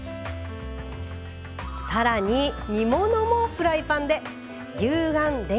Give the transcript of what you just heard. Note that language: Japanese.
更に煮物もフライパンで。